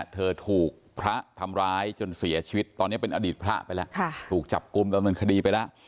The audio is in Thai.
เธอถูกพระทำร้ายจนเสียชีวิตตอนนี้เป็นอดีตพระไปแล้วถูกจับกลุ่มดำเนินคดีไปแล้ว